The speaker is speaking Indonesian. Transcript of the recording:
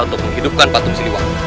untuk menghidupkan patung siluat